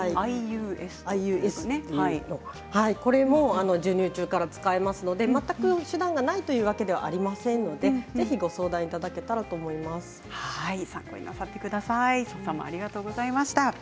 これも授乳中から使えますので全く手段がないというわけではありませんのでぜひご相談いただけたらと宋さんありがとうございました。